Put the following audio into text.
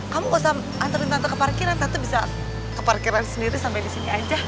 kamu gak usah antarin tante ke parkiran tante bisa ke parkiran sendiri sampai di sini aja